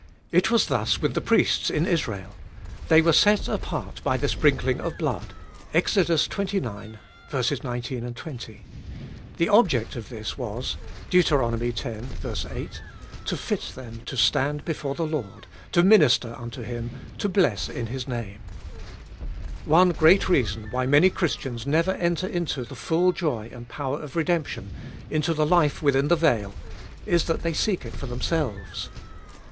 It was thus with the priests in Israel. They were set apart by the sprinkling of blood (Ex. xxix. 19, 20). The object of this was (Deut. x. 8) to fit them to stand before the Lord, to minister unto Him, to bless in His name. One great reason why many Christians never enter into the full joy and power of redemption, into the life within the veil, is that they seek it for themselves.